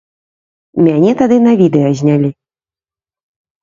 Мяне тады на відэа знялі.